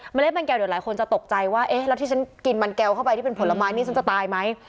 เล็ดมันแก้วเดี๋ยวหลายคนจะตกใจว่าเอ๊ะแล้วที่ฉันกินมันแก้วเข้าไปที่เป็นผลไม้นี่ฉันจะตายไหม